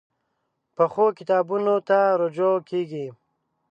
پخو کتابونو ته رجوع کېږي